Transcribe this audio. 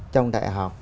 trong đại học